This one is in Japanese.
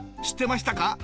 知ってましたか？